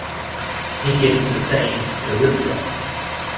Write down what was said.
He gives the same to Rudra.